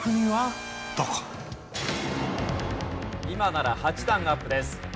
今なら８段アップです。